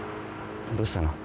どうしたの？